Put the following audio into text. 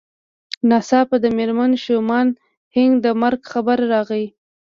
ناڅاپه د مېرمن شومان هينک د مرګ خبر راغی.